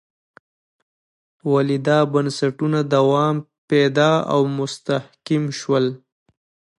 ولې دا بنسټونه دوام پیدا او مستحکم شول.